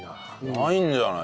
ないんじゃない？